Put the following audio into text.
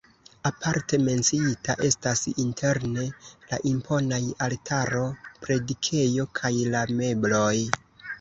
Aparte menciita estas interne la imponaj altaro, predikejo kaj la mebloj.